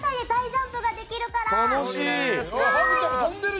ジャンプができるから。